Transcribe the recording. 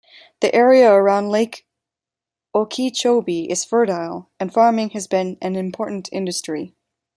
The area around Lake Okeechobee is fertile and farming has been an important industry.